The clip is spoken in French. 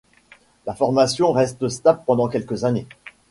La formation reste stable pendant quelques années.